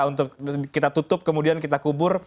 untuk kita tutup kemudian kita kubur